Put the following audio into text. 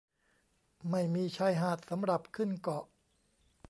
ไม่มีชายหาดสำหรับขึ้นเกาะ